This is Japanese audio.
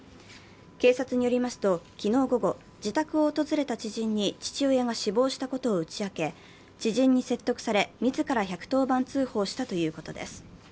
警察によりますと、昨日午後、自宅を訪れた知人に父親が死亡したことを打ち明け、知人に説得され、自ら１１０番通報したということです。